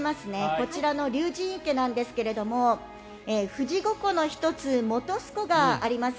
こちらの竜神池なんですが富士五湖の１つ本栖湖があります。